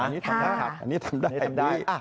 อันนี้ทำได้ครับอันนี้ทำได้